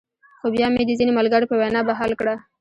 خو بيا مې د ځينې ملګرو پۀ وېنا بحال کړۀ -